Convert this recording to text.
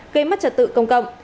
gây mất trật tự công cộng